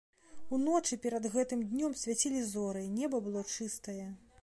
Уночы, перад гэтым днём, свяцілі зоры, неба было чыстае.